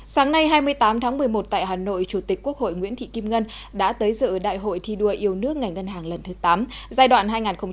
sáng nay hai mươi tám tháng một mươi một tại hà nội chủ tịch quốc hội nguyễn thị kim ngân đã tới dự đại hội thi đua yêu nước ngành ngân hàng lần thứ tám giai đoạn hai nghìn hai mươi hai nghìn hai mươi năm